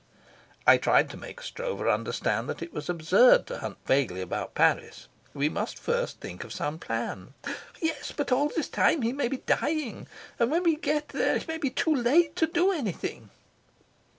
I tried to make Stroeve understand that it was absurd to hunt vaguely about Paris. We must first think of some plan. "Yes; but all this time he may be dying, and when we get there it may be too late to do anything."